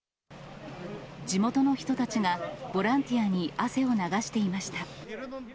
地元の人たちがボランティアに汗を流していました。